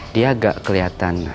dia gak keliatan